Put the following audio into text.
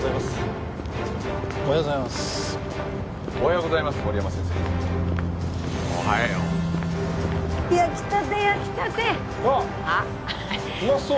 うまそう。